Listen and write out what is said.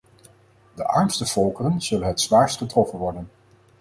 De armste volkeren zullen het zwaarst getroffen worden.